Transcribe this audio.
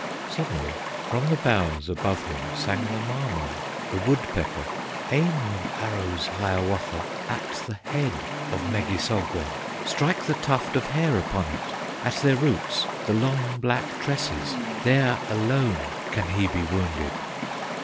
Suddenly from the boughs above him Sang the Mama, the woodpecker: "Aim your arrows, Hiawatha, At the head of Megissogwon, Strike the tuft of hair upon it, At their roots the long black tresses; There alone can he be wounded!"